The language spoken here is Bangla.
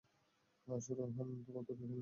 আসো রেহান, তোমার দুধ খেয়ে নাও।